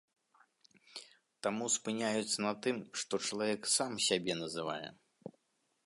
Таму спыняюцца на тым, што чалавек сам сябе называе.